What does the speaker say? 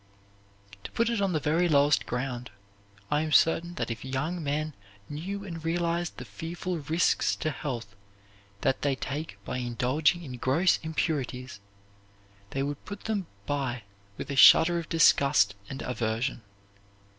To put it on the very lowest ground, I am certain that if young men knew and realized the fearful risks to health that they take by indulging in gross impurities they would put them by with a shudder of disgust and aversion.